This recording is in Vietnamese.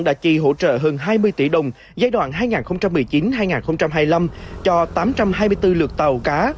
đã chi hỗ trợ hơn hai mươi tỷ đồng giai đoạn hai nghìn một mươi chín hai nghìn hai mươi năm cho tám trăm hai mươi bốn lượt tàu cá